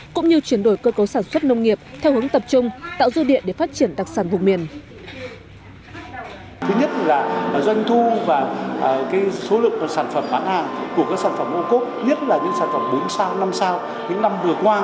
cũng như chuyển đổi cơ cấu sản xuất nông nghiệp theo hướng tập trung tạo dư địa để phát triển đặc sản vùng miền